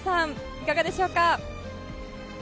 いかがでしょうか。